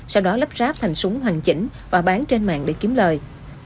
sau đó lắp ráp thành súng hoàn chỉnh và bán trên mạng để kiếm lời